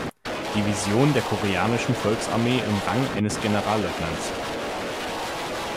Division der Koreanischen Volksarmee im Rang eines Generalleutnants.